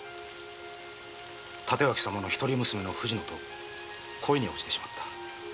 帯刀様の一人娘の藤乃と恋におちてしまった。